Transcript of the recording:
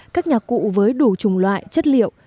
các nhạc cụ với đủ trùng loại chất liệu